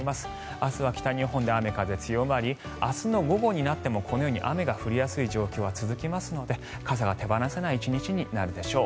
明日は北日本で雨風強まり明日の午後になってもこのように雨が降りやすい状況は続きますので傘が手放せない１日になるでしょう。